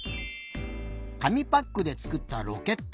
紙パックでつくったロケット。